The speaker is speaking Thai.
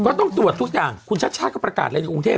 ก็ต้องตรวจทุกอย่างคุณชาติชาติก็ประกาศเลยในกรุงเทพ